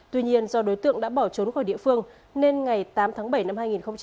tuy nhiên do đối tượng đã bỏ trốn khỏi địa phương nên ngày tám tháng bảy năm hai nghìn hai mươi ba